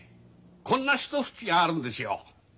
こんな一節があるんですよ。ね？